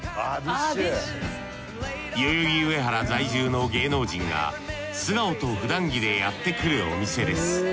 代々木上原在住の芸能人が素顔とふだん着でやってくるお店です。